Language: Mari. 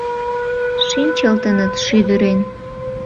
Шинчылтыныт шӱдырен.